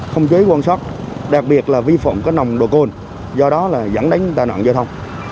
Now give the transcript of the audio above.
không chế quan sát đặc biệt là vi phạm có nồng độ cồn do đó là dẫn đến tai nạn giao thông